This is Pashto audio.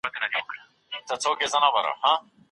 آیا د قسم حق عين مال دی؟